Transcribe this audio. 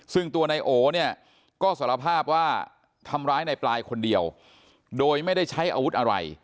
ซึ่งตัวนายโอเนี่ยก็สารภาพว่าทำร้ายในปลายคนเดียวโดยไม่ได้ใช้อาวุธอะไร